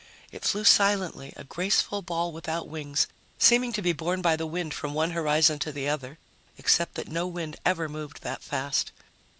It flew silently, a graceful ball without wings, seeming to be borne by the wind from one horizon to the other, except that no wind ever moved that fast.